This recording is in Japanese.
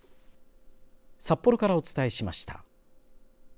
札幌からお伝えしました。